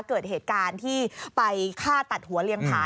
เกิดเหตุการณ์ที่ไปฆ่าตัดหัวเลี้ยผา